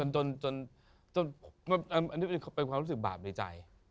จนเป็นความรู้สึกบาปในใจ